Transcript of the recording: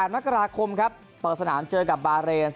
มกราคมครับเปิดสนามเจอกับบาเรน